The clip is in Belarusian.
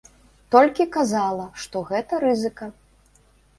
Толькі казала, што гэта рызыка.